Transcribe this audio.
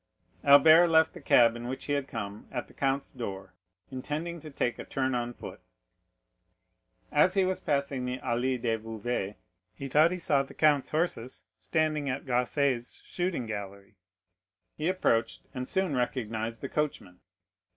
Albert left the cab in which he had come at the count's door, intending to take a turn on foot. As he was passing the Allée des Veuves, he thought he saw the count's horses standing at Gosset's shooting gallery; he approached, and soon recognized the coachman.